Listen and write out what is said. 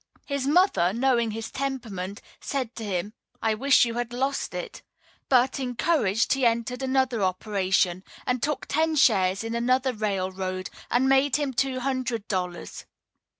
His mother, knowing his temperament, said to him, "I wish you had lost it." But, encouraged, he entered another operation, and took ten shares in another railroad and made two hundred dollars.